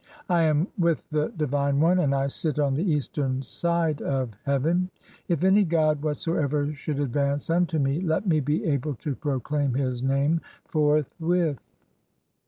I am with the Divine One, and I sit on the eastern "side of heaven. If any god whatsoever should advance unto "me (4), let me be able to proclaim his name forthwith."